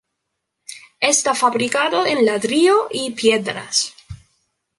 Está fabricado en ladrillo y piedras.